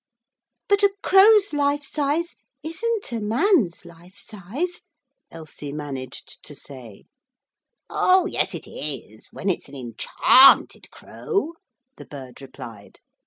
'But a crow's life size isn't a man's life size,' Elsie managed to say. 'Oh yes, it is when it's an enchanted Crow,' the bird replied.